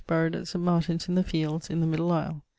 Buried at St. Martin's in the Fields, in the middle isle.